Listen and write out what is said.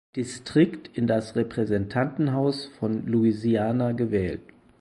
Distrikt in das Repräsentantenhaus von Louisiana gewählt.